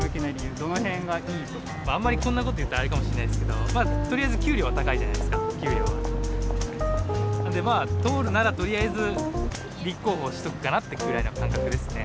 あんまりこんなこと言ったらあれかもしれないですけどとりあえず給料が高いじゃないですか、なので通るなら、とりあえず立候補しておくかなってくらいの感覚ですね。